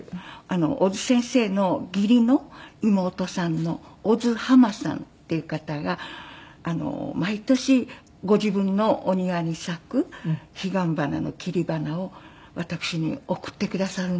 小津先生の義理の妹さんの小津ハマさんっていう方が毎年ご自分のお庭に咲く彼岸花の切り花を私に送ってくださるんです。